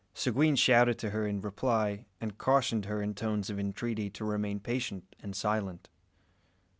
Seguin shouted to her in reply, and cautioned her in tones of intreaty to remain patient and silent.